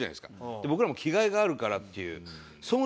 で僕らも着替えがあるからっていう。